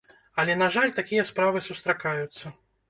Але, на жаль, такія справы сустракаюцца.